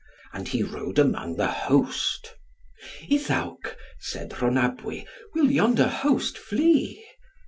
And he rode amongst the host. "Iddawc," said Rhonabwy, "will yonder host flee?"